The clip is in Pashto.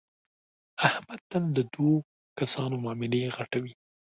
احمد تل د دو کسانو معاملې غټوي.